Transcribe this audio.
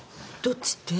どっちって？